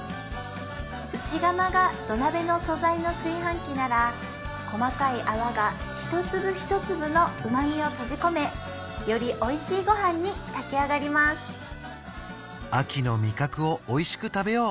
内釜が土鍋の素材の炊飯器なら細かい泡が一粒一粒の旨みを閉じ込めよりおいしいご飯に炊きあがります秋の味覚をおいしく食べよう